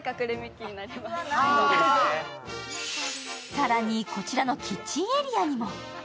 更に、こちらのキッチンエリアにも。